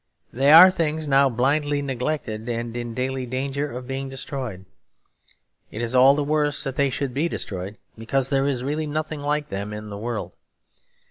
They are things now blindly neglected and in daily danger of being destroyed. It is all the worse that they should be destroyed, because there is really nothing like them in the world.